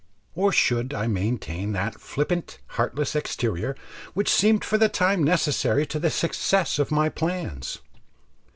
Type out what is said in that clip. or should I maintain that flippant, heartless exterior which seemed for the time necessary to the success of my plans?